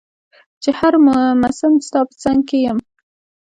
چي هر مسم ستا په څنګ کي يم